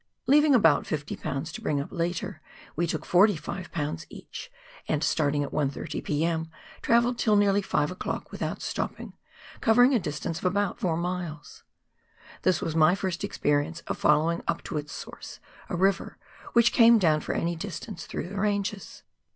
Leaving about 60 lbs. to bring up later, we took 45 lbs. each, and, starting at 1.30 p.m., travelled till nearly 5 o'clock without stopping, covering a distance of about four miles. This was my first experience of following up to its source a river which came down for any distance through the ranges.